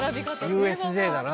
ＵＳＪだな。